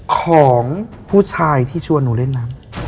ของผู้ชายที่ชวนหนูเล่นน้ำ